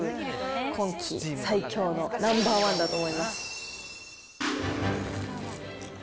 今期最強のナンバー１だと思います。